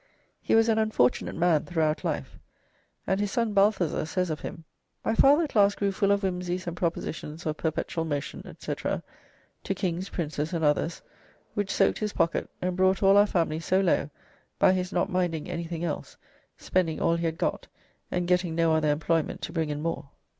He was an unfortunate man throughout life, and his son Balthasar says of him: "My father at last grew full of whimsies and propositions of perpetual motion, &c., to kings, princes and others, which soaked his pocket, and brought all our family so low by his not minding anything else, spending all he had got and getting no other employment to bring in more."